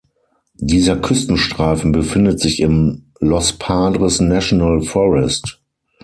Dieser Küstenstreifen befindet sich im Los Padres National Forest.